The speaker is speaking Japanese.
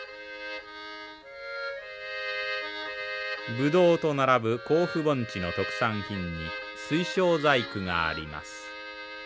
ブドウと並ぶ甲府盆地の特産品に水晶細工があります。